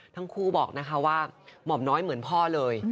ทั้งคู่บอกนะคะว่าหม่อมน้อยเหมือนพ่อเลย